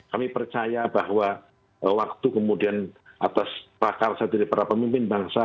kami percaya bahwa waktu kemudian atas prakarsa dari para pemimpin bangsa